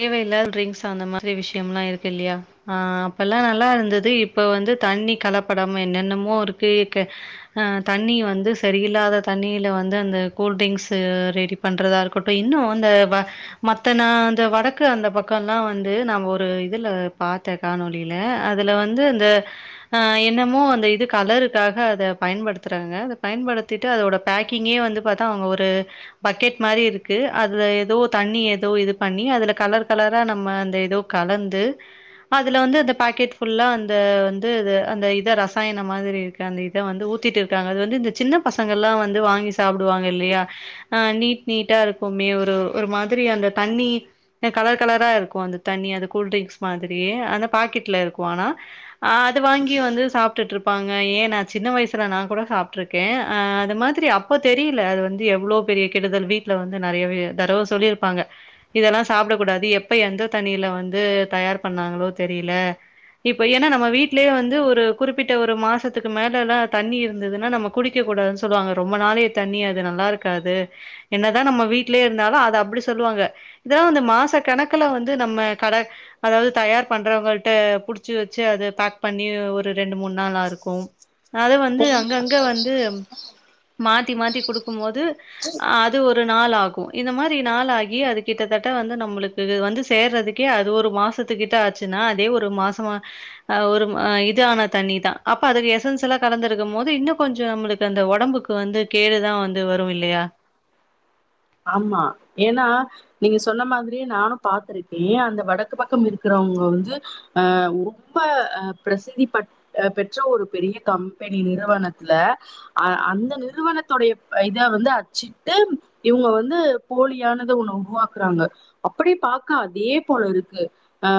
தேவையில்லாத ட்ரிங்க்ஸ் அந்த மாரி விஷயமல்லா இருக்கு இல்லையா ஆ அப்ப எல்லா நல்லா இருந்தது இப்ப வந்து தண்ணி கலப்படம் என்னென்னமோ இருக்கு அ தண்ணி வந்து சரியில்லாத தண்ணியில வந்து அந்த கூல் டிரிங்க்ஸ் ரெடி பண்றதா இருக்கட்டு இன்னு அந்த மத்தனா இந்த வடக்கு அந்த பக்கம்ல்லா வந்து நா ஒரு இதுல பாத்தே காணொலியில அதுல வந்து அந்த ஹ எண்ணமோ அந்த இது கலருக்காக அத பயன்படுத்துறாங்க அத பயன்படுத்திட்டு அதோட பேக்கிங்கே வந்து பாத்தா அவங்க ஒரு பக்கெட் மாரி இருக்கு அதுல எதோ தண்ணி எதோ இது பண்ணி அதுல கலர் கலரா நம்ம அந்த எதோ கலந்து அதுல வந்து அந்த பாக்கெட் ஃபுல்லா அந்த வந்து அந்த இதை ரசாயன மாதிரி இருக்கு அந்த இதை வந்து ஊத்திட்டு இருக்காங்க அது வந்து இந்த சின்ன பசங்களல்லா வந்து வாங்கி சாப்டுவாங்க இல்லயா நீட் நீட்டா இருக்குமே ஒரு ஒரு மாதிரி அந்த தண்ணி அ கலர் கலராருக்கு அந்த தண்ணி அந்த கூல் ரிங்க்ஸ் மாதிரியே அந்த பாக்கெட்ல இருக்கு ஆனா ஆ அது வாங்கி வந்து சாப்டுட்ருப்பாங்க ஏ நா சின்ன வய்ஸ்ல நாங் கூட சாப்ட்ருக்கே அ அது மாதிரி அப்ப தெரில அது வந்து எவ்ளோ பெரிய கெடுதல் வீட்ல வந்து நெறையவே தடவ சொல்லியிருப்பாங்க இதெல்லா சாப்ட கூடாது எப்ப எந்த தண்ணியில வந்து தயார் பண்ணாங்களோ தெரியல இப்ப ஏன்னா நம்ம வீட்லயே வந்து ஒரு குறிப்பிட்ட ஒரு மாசத்துக்கு மேலல்லா தண்ணி இருந்ததுன்னா நம்ம குடிக்க கூடாதுன்னு சொல்லுவாங்க ரொம்ப நாளய தண்ணி அது நல்லா இருக்காது என்னதா நம்ம வீட்லயே இருந்தாலு அத அப்டி சொல்லுவாங்க இதா வந்து மாச கணக்குல வந்து நம்ம கட அதாவது தயார் பண்றவங்கட்ட புடிச்சு வச்சு அது பேக் பண்ணி ஒரு ரெண்டு மூணு நாளா இருக்கு அது வந்து அங்கங்க வந்து மாத்தி மாத்தி குடுக்கு போது அது ஒரு நாள் ஆகும் இந்த மாரி நாள கி அது கிட்டத்தட்ட வந்து நம்மளுக்கு வந்து சேர்றதுக்கே அது ஒரு மாசத்துக்கிட்ட ஆச்சுன்னா அதே ஒரு மாசமா அ ஒரு இதான தண்ணிதான் அப்ப அதுக்கு எசன்ஸ் எல்லா கலந்துருக்கு போது இன்னு கொஞ்ச நம்மளுக்கு அந்த ஒடம்புக்கு வந்து கேடுதா வந்து வரும் இல்லையா ஆமா ஏன்னா நீங்க சொன்ன மாதிரியே நானும் பாார்த்திருக்கே அந்த வடக்கு பக்க இருக்கிறவங்க வந்து அ ரொம்ப அ பிரசித்தி ப பெற்ற ஒரு பெரிய கம்பெனி நிறுவனத்துல அ அந்த நிறுவனத்துடைய இத வந்து அச்சிட்டு இவங்க வந்து போலியானத ஒண்ண உருவாக்குறாங்க அப்டியே பாக்க அதே போல இருக்கு ஆ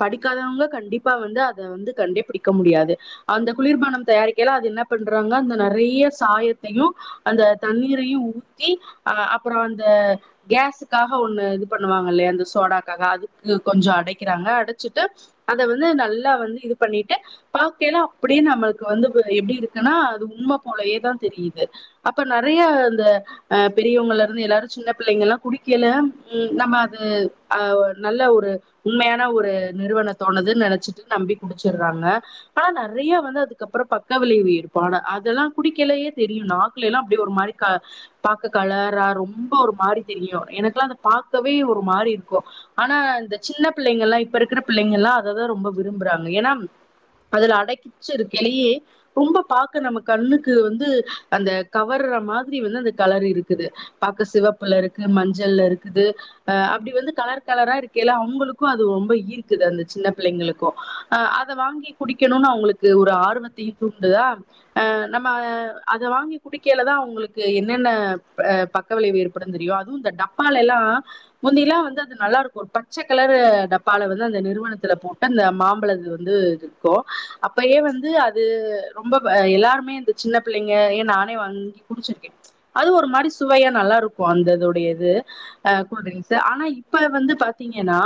படிக்காதவங்க கண்டிப்பா வந்து அத வந்து கண்டே பிடிக்க முடியாது அந்த குளிர்பானம் தயாரிக்கைல அது என்ன பண்றாங்க அந்த நறைய சாயத்தையு அந்த தண்ணீரையு ஊத்தி அ அப்புற அந்த கேஸுக்காக ஒண்ணு இது பண்ணுவாங்க இல்லையே அந்த சோடாக்காக அதுக்கு கொஞ்ச அடைக்கிறாங்க அடைச்சிட்டு அத வந்து நல்லா வந்து இது பண்ணிட்டு பாக்கையில அப்படியே நம்மளுக்கு வந்து எப்டி இருக்குன்னா அது உண்மை போலயேதா தெரியுது அப்ப நறைய அந்த அ பெரியவங்கல இருந்து எல்லாரும் சின்ன பிள்ளைங்க எல்லாம் குடிக்கல நம்ம அது அஹ் நல்ல ஒரு உண்மையான ஒரு நிறுவன தோணுதுன்னு நினைச்சிட்டு நம்பி குடிச்சடுறாங்க ஆனா நிறைய வந்து அதுக்கப்புறம் பக்க விளை உயிர்ப அதெல்லாம் குடிக்கலயே தெரியும் நாக்கல எல்லாம் அப்டி ஒரு மாதிரி பா கலரா ரொம்ப ஒரு மாதிரி தெரியும் எனக்குல்லாம் அதை பாக்கவே ஒரு மாதிரி இருக்கும் ஆனா இந்த சின்ன பிள்ளைங்கள் எலாம் இப்ப இருக்கிற பிள்ளைங்கள்லாம் அததான் ரொம்ப விரும்புறாங்க ஏனா அதுல அடைக்கிச்ச இருக்கலயே ரொம்ப பாக்க நம்ம கண்ணுக்கு வந்து அந்த கவர்ற மாதிரி வந்து அந்த கலர் இருக் குது பாக்க சிவப்புல இருக்கு மஞ்சள இருக்குது அஹ் அப்டி வந்து கலர் கலரா இருக்கல்ல அவங்களுக்கும் அது ரொம்ப ஈர்க்குது அந்த சின்ன பிள்ளைங்களுக்கும் அஹ் அத வாங்கி குடிக்கணும்னு அவுங்களுக்கு ஒரு ஆர்வத்தையும் தூண்டுதா அஹ் நம்ம அ அத வாங்கி குடிக்கைலதான் அவங்களுக்கு என்னென்ன அ பக்க விளைவு ஏற்படும் தெரியும் அதுவும் இந்த டப்பால எல்லாம் முந்திலாம் வந்து அது நல்லா இருக்கும் ஒரு பச்சை கலர் டப்பால வந்து அந்த நிறுவனத்துல போட்டு அந்த மாம்பழது வந்து இருக்கும் அப்பயே வந்து அது ரொம்ப எல்லாருமே இந்த சின்ன பிள்ளைங்க ஏன் நானே வாங்கி குடிச்சிருக்கேன் அதுவும் ஒரு மாறி சுவையா நல்லா இருக்கும் அந்த தோடைய இது அ கூல்ட ட்ரிங்க்ஸு ஆனா இப்ப வந்து பாத்தீங்கன்னா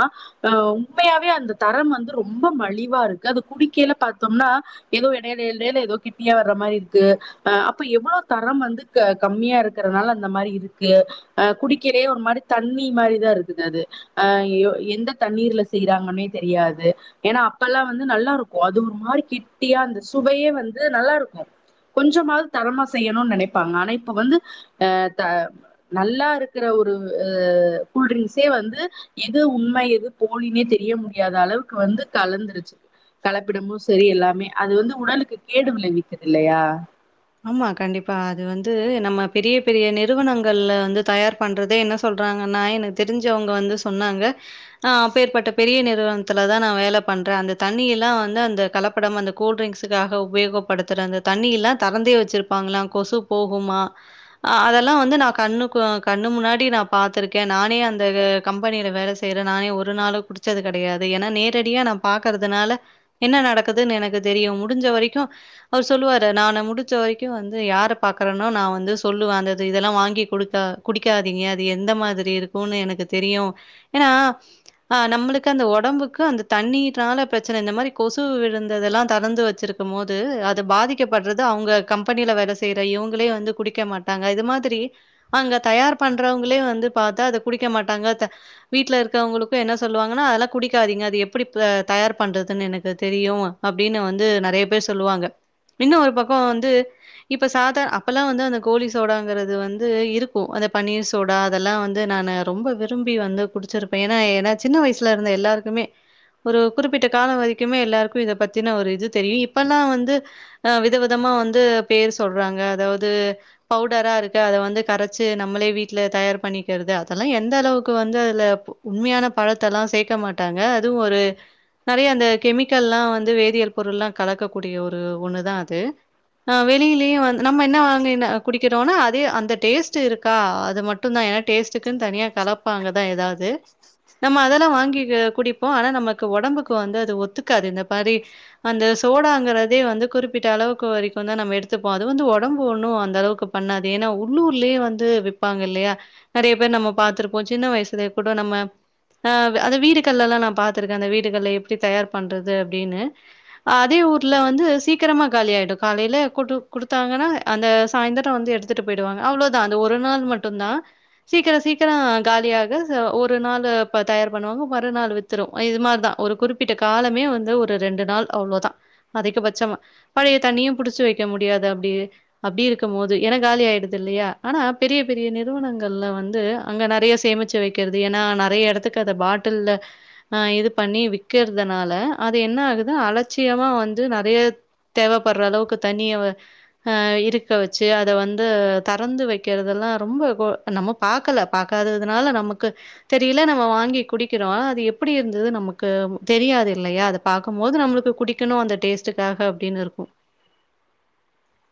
அ உண்மையாவே அந்த தரம் வந்து ரொம்ப மலிவா இருக்கு அது குடிக்கைல பாத்தோம்னா ஏதோ இடை இடை இடையில கிட்டியா வர மாரி இருக்கு அப்ப எவ்ளோ தரம் வந்து க கம்மியா இருக்கு இருக்கறனால அந்த மாறி இருக்கு அஹ் குடிக்கிறே ஒரு மாரி தண்ணி மாரிதான் இருக்குது அது அஹ் எந்த தண்ணீர்ல செய்யறாங்கன்னே தெரியாது ஏன்னா அப்பல்லாம் வந்து நல்லா இருக்கும் அது ஒரு மாதிரி கெட்டியா அந்த சுவையே வந்து நல்லா இருக்கும் கொஞ்சமாவது தரமா செய்யணும்னு நினைப்பாங்க ஆனா இப்ப வந்து அஹ் த நல்லா இருக்கிற ஒரு அஹ் கூல்ட்ரிங்க்ஸே வந்து எது உண்மை எது போலினே தெரிய முடியாத அளவுக்கு வந்து கலந்துருச்சு கலப்பிடமும் சரி எல்லாமே அது வந்து உடலுக்கு கேடு விளைவிக்குது இல்லையா ஆமா கண்டிப்பா அது வந்து நம்ம பெரிய பெரிய நிறுவனங்கள்ல வந்து தயார் பண்றதே என்ன சொல்றாங்கன்னா எனக்கு தெரிஞ்சவங்க வந்து சொன்னாங்க நா அப்பேற்பட்ட பெரிய நிறுவனத்துலதான் நான் வேலை பண்றேன் அந்த தண்ணி எல்லாம் வந்து அந்த கலப்படம் அந்த கூல்ட்ரிங்க்ஸ்க்காக உபயோகப்படுத்துற அந்த தண்ணீ எல்லாம் தொரந்தே வச்சிருப்பாங்களாம் கொசு போகுமாஹ் அதெல்லாம் வந்து நான் கண்ணு கண்ணு முன்னாடி நான் பா்த்திருக்கேன் நானே அந்த கம்பெனியில வேலை செய்யறேன் நானே ஒரு நாளும் குடிச்சது கிடையாது ஏன்னா நேரடியா நான் பாக்கறதுனால என்ன நடக்குதுன்னு எனக்கு தெரியும் முடிஞ்ச வரைக்கும் அவர் சொல்லுவாரு நானு முடிஞ்ச வரைக்கும் வந்து யார பாக்குறனோ நான் வந்து சொல்லுவ அந்த இதெல்லாம் வாங்கி குடுக்க குடிக்காதீங்க அது எந்த மாதிரி இருக்கும்னு எனக்கு தெரியும் ஏன்னா நம்மளுக்கு அந்த உடம்புக்கு அந்த தண்ணீனால பிரச்சனை இந்த மாதிரி கொசு விழுந்ததெல்லாம் திறந்து வச்சிருக்கும் போது அது பாதிக்கப்படுறது அவங்க கம்பெனில வேலை செய்ற இவங்களே வந்து குடிக்க மாட்டாங்க இந்த மாதிரி அங்க தயார் பண்றவங்களே வந்து அத குடிக்க மாட்டாங்க த வீட்ல இருக்கவங்களுக்கும் என்ன சொல்லுவாங்கனா அதெல்லா குடிக்காதீங்க அது எப்டி தயார் பண்றதுனு எனக்கு தெரியும் அப்படினு நெறைய பேர் சொல்லுவாங்க இன்னும் ஒரு பக் கம் வந்து இப்ப சாதார அப்பல்லாம் வந்து அந்த கோழி சோடாங்கிறது வந்து இருக்கும் அந்த பன்னீர் சோடா அதெல்லாம் வந்து நான் ரொம்ப விரும்பி வந்து குடிச்சிருப்பேன் ஏன்னா ஏன்னா சின்ன வயசுல இருந்த எல்லாருக்குமே ஒரு குறிப்பிட்ட கால வரிக்குமே எல்லாருக்கும் இத பத்தின ஒரு இது தெரியும் இப்பல்லாம் வந்துஹ வித விதமா வந்து பேர் சொல்றாங்க அதாவ்து பவுடரா இருக்கு அதை வந்து கரைச்சு நம்மளே வீட்டுல தயார் பண்ணிக்கிறது அதெல்லாம் எந்த அளவுக்கு வந்து அதுல உண்மையான பழத்தெல்லாம் சேக்க மாட்டாங்க அதுவும் ஒரு நிறைய அந்த கெமிக்கல்ல்லாம் வந்து வேதியல் பொருள்லாம் கலக்கக்கூடிய ஒரு ஒண்ணுதான் அது ஹ் வெளியிலயும் வ நம்ம என்ன வாங்கி குடிக்கிறோம்னா அதே அந்த டேஸ்ட் இருக்கா அது மட்டும்தான் ஏன்னா டேஸ்ட்டுக்குன்னு தனியா கலப்பாங்கதான் ஏதாவது நம்ம அதெல்லாம் வாங்கி குடிப்போம் ஆனா நமக்கு உடம்புக்கு வந்து அது ஒத்துக்காது இந்த பாரி அந்த சோடாங்கிறதே வந்து குறிப்பிட்ட அளவுக்கு வரைக்கும் எடுத்துப்போம் அது வந்து உடம்பு ஒண்ணும் அந்த அளவுக்கு பண்ணாது ஏன்னா உள்ளூர்லயே வந்து விப்பாங்க இல்லையா நெறைய பேர் நம்ம பாத்திருப்போம் சின்ன வயசுல கூட நம்ம அஹ் அந்த வீடுகள்லல்லாம் நான் பா்த்திருக்கேன் அந்த வீடுகள்ல எப்டி தயார் பண்றது அப்டின்னு அதே ஊர்ல வந்து சீக்கிரமா காலியாயிடும் காலையில கொடு கொடுத்தாங்கன்னா அந்த சாய்ந்திரம் வந்து எடுத்துட்டு போயிடுவாங்க அவ்வளோதான் அந்த ஒரு நாள் மட்டும் தான் சீக்கிர சீக்கிரம் காலியாக ஒரு நாள் இ தயார் பண்ணுவாங்க மறுநாள் வித்துரும் இது மாதிரிதான் ஒரு குறிப்பிட்ட காலமே வந்து ஒரு ரெண்டு நாள் அவ்ளோதான் அதிகபட்சமா பழைய தண்ணியும் புடிச்சு வைக்க முடியாது அப்டி அப்டியே இருக்கும் போது ஏன்னா காலி ஆயிடுது இல்லையா ஆனா பெரிய பெரிய நிறுவனங்கள்ல வந்து அங்க நெறைய சேமிச்சு வைக்கிறது ஏன்னா நெறைய இடத்துக்கு அதை பாட்டில்லஹ இது பண்ணி விற்கறதுனால அது என்ன ஆகுது அலட்சியமா வந்து நிறைய தேவை பர்ற அளவுக்கு தண்ணிய ஆஹ் இருக்க வச்சு அதை வந்து தறந்து வைக்கிறதெல்லாம் ரொம்ப நம்ம பாரக்கல பாார்கக்காததுனால நமக்கு தெரியல நம்ம வாங்கி குடிக்கிறோம் அது எப்படி இருந்தது நமக்கு தெரியாது இல்லையா அதை பார்க்கும்ப போது நம்மளுக்கு குடிக்கணும் அந்த டேஸ்டுக்காக அப்டின்னு இருக்கும்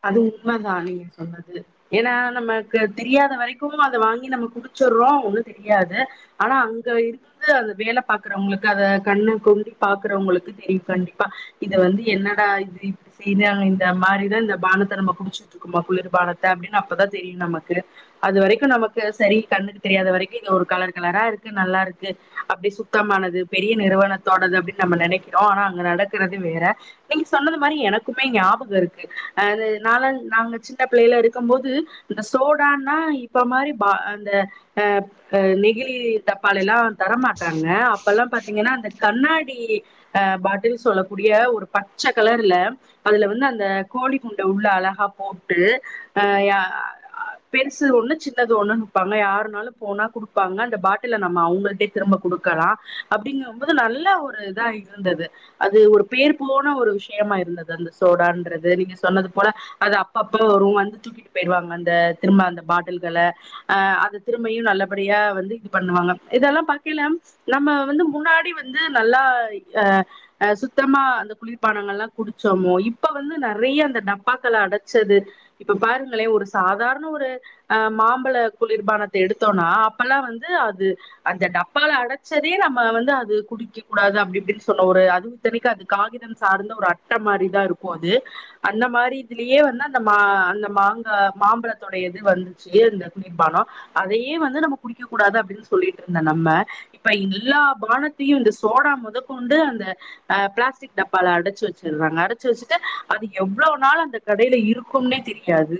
அது உண்மை தான் நீங்க சொன்னது ஏன்னா நமக்கு தெரியாத வரைக்கும் அதை வாங்கி நம்ம குடிச்சடுறோம் ஒன்னும் தெரியாது ஆனா அங்க இருந்து அந்த வேலை பாக்குறவங்களுக்கு அத கண்ணு கொண்டி பாக்குறவங்களுக்கு தெரியும் கண்டிப்பா இது வந்து என்னடா இது இப்படி செய்ராங்க இந்த மாரிதான் இந்த பானத்தை நம குடிச்சுட்டு இருக்குோமா குளிர் பானத்தை அப்படின்னு அப்பதான் தெரியும் நமக்கு அது வரைக்கும் நமக்கு சரி கண்ணுக்கு தெரியாத வரைக்கும் இது ஒரு கலர் கலரா இருக்கு நல்லா இருக்கு அப்டி சுத்தமானது பெரிய நிறுவனத்தோடது அப்டின்னு நம்ம நினைக்கிறோம் ஆனா அங்க நடக்கறது வேற நீங்க சொன்னது மாரி எனக்குமே ஞாபகம் இருக்கு அது நால நாங்க சின்ன பிள்ளைையில இருக்கும் போது இந்த சோடான்ன்னா இப்ப மாரி பா அந்தஹ நெகிழி தப்பாள எல்லாம் தரமாட்டாங்க அப்பல்லாம் பார்த்தீங்கன்னா அந்த கண்ணாடிஹ பாட்டில் சொல்லக்கூடிய ஒரு பச்சை கலர்ல அதுல வந்து அந்த கோழி குண்ட உள்ள அழகா போட்டு அஹ் பெருசு ஒண்ணு சின்னது ஒண்ணு விப்பாங்க யாருனாலும் போனா குடுப்பாங்க அந்த பாட்டில நம்ம அவங்கள்டே திரும்ப கொடுக்கலாம் அப்டிங்கபது நல்ல ஒரு இதா இருந்தது அது ஒரு பேர் போன ஒரு விஷயமா இருந்தது அந்த சோடான்றது நீங்க சொன்னது போல அப்பப்ப வந்து தூக்கிட்டு போயிருவாங்க அந்த திரும்ப அந்த பாட்டில்களை அஹ் அந்த திரும்பையும் நல்லபடியா வந்து இது பண்ணுவாங்க இதெல்லாம் பாக்கல நம்ம வந்து முன்னாடி வந்து நல்லாஹ சுத்தமா அந்த குளிர்பானங்கள்லாம் குடிச்சோமோ இப்ப வந்து நெறைய அந்த டப்பாக்கள அடைச்சது இப்ப பாருங்களேன் ஒரு சாதாரண ஒரு அஹ் மாம்பழ குளிர்பானத்தை எடுத்தோம்னா அப்பல்லாம் வந்து அது அந்த டப்பாள அடைச்சதே நம்ம வந்து அது குடிக்க கூடாது அப்டி இப்படின்னு சொன்ன ஒரு அதுவுத்தனைக்கு அது காகிதம் சார்ந்த ஒரு அட்டை மாரிதான் இருக்கும் அது அந்த மாரி இதுலயே வந்து அந்த மா அந்த மாங்க மாம்பழத்தோட இது வந்துச்சு அந்த குளிர்பானம் அதையே வந்து நம்ம குடிக்க கூடாது அப்டின்னு சொல்லிட்டு இருந்த நம்ம இப்ப எல்லா பானத்தையும் இந்த சோடா முதக்கொண்டு அந்த அஹ் பிளாஸ்டிக் டப்பால அடைச்சு வச்சறாங்க அடைச்சு வச்சுட்டு அது எவ்ளோ நாள் அந்த கடையில இருக்கும்னே தெரியாது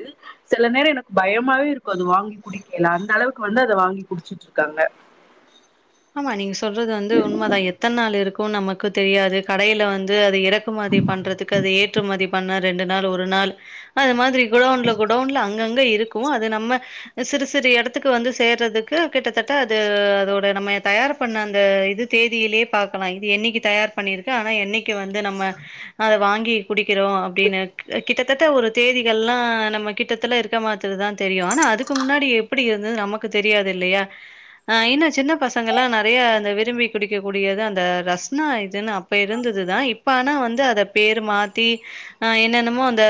சில நேரம் எனக்கு பயமாவே இருக்கும் அது வாங்கி குடிக்கல அந்த அளவுக்கு வந்து அதை வாங்கி குடிச்சுட்டு இருக்காங்க ஆமா நீங்க சொல்றது வந்து உண்மதான் எத்தனை நாள் இருக் கும் நமக்கு தெரியாது கடையில வந்து அ து இறக்குமதி பண்றதுக்கு அது ஏற்றுமதி பண்ண ரெண்டு நாள் ஒரு நாள் அது மாதிரி குடவுன்ல குடவுன்ல அங்க அங்க இருக் கும் அது நம்ம சிறு சிறு இடத்துக்கு வந்து சேர்றதுக்கு கிட்டத்தட்ட அது அதோட நம்ம தயார் பண்ண அந்த இது தேதியிலயே பாக்கலாம் இது என்னைக்கு தயார் பண்ணிருக்கு ஆனா என்னைக்கு வந்து நம்ம அத வாங்கி குடிக்கிறோம் அப்படின்னு கிட்டத்தட்ட ஒரு தேதிகள் எல்லாம் நம்ம கிட்டத்தல இருக்க மாத்ததுதான் தெரியும் ஆனா அதுக்கு முன்னாடி எப்படி இருந்தது நமக்கு தெரியாது இல்லையாஹ் இன்ன சின்ன பச பசங்க எல்லாம் நிறைய அந்த விரும்பி குடிக்கக்கூடியது அந்த ரஸ்னா இதுன்னு அப்ப இருந்ததுதான் இப்ப ஆனா வந்து அத பேர் மாத்தி ஆஹ் என்னன்னமோ அந்த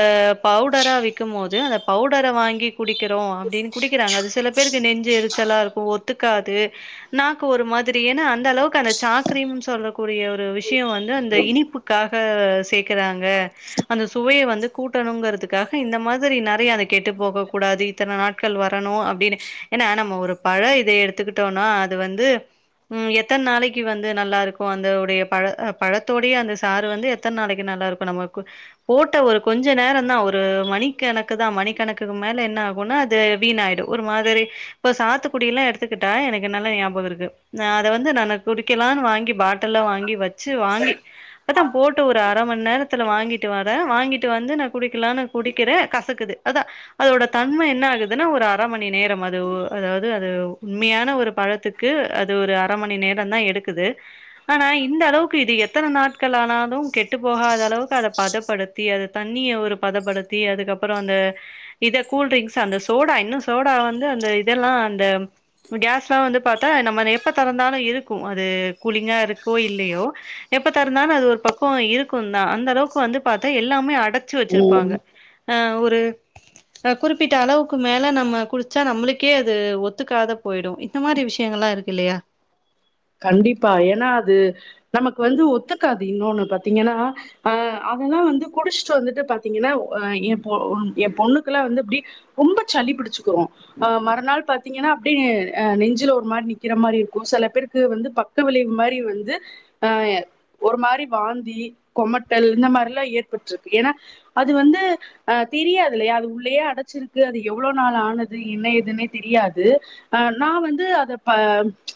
பவுடரா விக்கும் போது அந்த பவுடரை வாங்கி குடிக்கிறோம் அப்படின்னு குடிக்கிறாங்க அது சில பேருக்கு நெஞ்சு எரிச்சலா இருக்கும் ஒத்துக்காது நாக்கு ஒரு மாதிரி ஏன்னா அந்த அளவுக்கு அந்த சாக்கிரம்னு சொல்லக்கூடிய ஒரு விஷயம் வந்து அந்த இனிப்புக்காக சேர்க்கறாங்க அந்த சுவையை வந்து கூட்டணுங்கிறதுக்காக இந்த மாதிரி நிறைய அதை கெட்டு போக கூடாது இத்தனை நாட்கள் வரணும் அப்படின்னு ஏன்னா நம்ம ஒரு பழ இதை எடுத்துக்கிட்டோம்னா வந்து உ எத்தனை நாளைக்கு வந்து நல்லா இருக்கும் அந்தடைய பழ பழத்தோடைய அந்த சாறு வந்து எத்தனை நாளைக்கு நல்லா இருக்கும் நம்மக்கு போட்ட ஒரு கொஞ்ச நேரம் தான் ஒரு மணி கணக்கு தான் மணி கணக்குக்கு மேல என்ன ஆகும்னா அது வீணாயடு ஒரு மாதிரி இப்ப சாத்துக்குடிய எல்லாம் எடுத்துக்கிட்டா எனக்கு என் நல்லா ஞாபகம் இருக்கு அதை வந்து நான் குடிக்கலாம்னு வாங்கி பாட்டில் வாங்கி வச்சு வாங்கி அத்தான் போட்டு ஒரு ஆ அரை மணி நேரத்துல வாங்கிட்டு வரேன் வாங்கிட்டு வந்து நான் குடிக்கலாம்னு குடிக்கிற கசக்குது அதான் அதோட தன்மை என்ன ஆகுதுன்னா ஒரு அரை மணி நேரம் அது அதாவது அது உண்மையான ஒரு பழத்துக்கு அது ஒரு அரை மணி நேரம் தான் எடுக்குது ஆனா இந்த அளவுக்கு இது எத்தனை நாட்கள் ஆனாலும் கெட்டு போகாத அளவுக்கு அதை பதப்படுத்தி அத தண்ணிய ஒரு பதப்படுத்தி அதுக்கப்புறம் அந்த இத கூல்ரிங்க்ஸ் அந்த சோடா இன்னும் சோடா வந்து அந்த இதெல்லாம் அந்தஸ் வந்து ப்த்தா நம்ம எப்ப திறந்தாலும் இருக்கும் அது கூலிங்கா இருக்கோ இல்லையோ எப்ப திறந்தாலும் அது ஒரு பக்கவம் இருக்கும் தான் அந்த அளவுக்கு வந்து ப்த்தா எல்லாமே அடைச்சு ம் வச்சிருப்பாங்க ஒரு குறிப்பிட்ட அளவுக்கு மேலே நம்ம குடிச்சா நம்மளுக்கே அது ஒத்துக்காத போயிடும் இந்த மாதிரி விஷயங்கள்ல்லாம் இருக்கு இல்லையா கண்டிப்பா ஏன்னா அது நமக்கு வந்து ஒத்துக்காது இன்னொன்னு பாத்தீங்கன்னா அஹ் அதெல்லாம் வந்து குடிச்சுட்டு வந்துட்டு பாத்தீங்கன்னா அஹ் என் பொ என் பொண்ணுக்கெல்லாம் வந்து அப்படி ரொம்ப சளிபுடிச்சுக்கும் ஆஹ் மறுநாள் பாத்தீங்கன்னா அப்படி அஹ் நெஞ்சில ஒரு மாதிரி நிக்கிற மாறி இருக்கும் சில பேரு க்கு வந்து பக்க விளைவு மாரி வந்து ஆஹ் ஒரு மாரி வாந்தி கொமட்டல் இந்த மாதிரிலாம் ஏற்பட்டிருக்கு ஏன்னா அது வந்து அஹ் தெரியாது இல்லையா அது உள்ளயே அடைச்சிருக்கு அது எவ்வளவு நாள் ஆனது என்ன எதுன்னே தெரியாது ஆஹ் நான் வந்து அத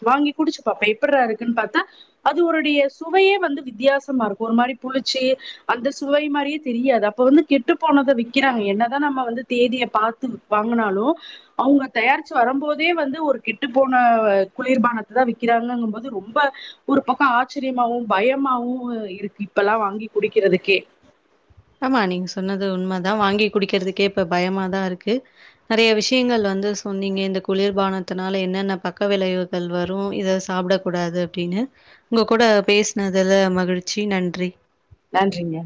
வாங்கி குடிச்சுப்பாப்பேன் எப்பரா இருக்குன்னு பார்த்தா அது ஒருடைய சுவையே வந்து வித்தியாசமா இருக்கும் ஒரு மாரி புளிச்சு அந்த சுவை மாதிரியே தெரியாது அப்ப வந்து கெட்டு போனதை விக்கிறாங்க என்னதான் நம்ம வந்து தேதியை பார்த்து வாங்கினாலும் அவங்க தயாரிச்சு வரும்போதே வந்து ஒரு கெட்டு போன குளிர்பான தான் விக்கிறாங்கங்கும்பது ரொம்ப ஒரு பக்கம் ஆச்சரியமாவும் பயமாவும் இருக்கு இப்பல்லாம் வாங்கி குடிக்கிறதுக்கே ஆமா நீங்க சொன்னது உண்மைதான் வாங்கி குடிக்கறதுக்கே இப்ப பயமாதான் இருக்கு நிறைய விஷயங்கள் வந்து சொன்னீங்க இந்த குளிர்பானத்தினால என்னென்ன பக்க விளைவுகள் வரும் இத சாப்பிட கூடாது அப்படின்னு உங்க கூட பேசினதுல மகிழ்ச்சி நன்றி நன்றிங்க